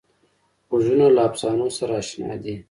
غوږونه له افسانو سره اشنا دي